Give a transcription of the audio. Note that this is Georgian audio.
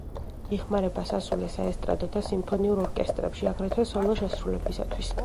იხმარება სასულე, საესტრადო და სიმფონიურ ორკესტრებში, აგრეთვე სოლო შესრულებისათვის.